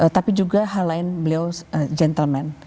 tapi juga hal lain beliau gentleman